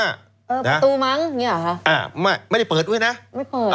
ประตูมกแบบนี้เหรอ